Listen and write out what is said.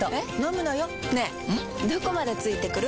どこまで付いてくる？